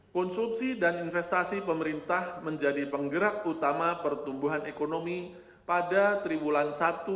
konsumsi dan investasi pemerintah menjadi penggerak utama pertumbuhan ekonomi pada tribulan satu dua ribu